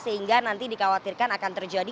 sehingga nanti dikhawatirkan akan terjadi